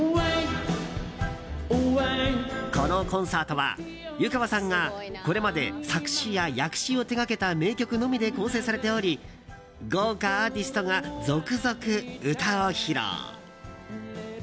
このコンサートは湯川さんがこれまで作詞や訳詞を手掛けた名曲のみで構成されており豪華アーティストが続々歌を披露。